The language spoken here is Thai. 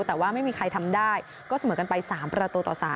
แต่ว่าไม่มีใครทำได้ก็เสมอกันไป๓ประตูต่อ๓